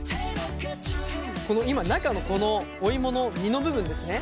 今中のこのお芋の身の部分ですね